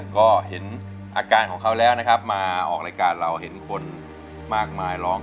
ก็เห็นอาการของเขาแล้วนะครับมาออกรายการเราเห็นคนมากมายร้อง